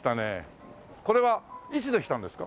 これはいつできたんですか？